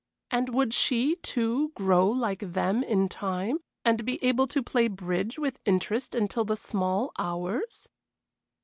And would she, too, grow like them in time, and be able to play bridge with interest until the small hours?